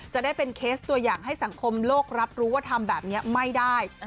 จะได้เป็นเคสตัวอย่างให้สังคมโลกรับรู้ว่าทำแบบนี้ไม่ได้